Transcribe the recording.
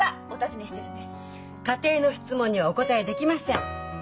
仮定の質問にはお答えできません。